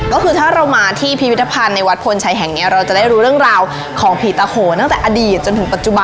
ก็คือถ้าเรามาที่พิพิธภัณฑ์ในวัดพลชัยแห่งนี้เราจะได้รู้เรื่องราวของผีตาโขนตั้งแต่อดีตจนถึงปัจจุบัน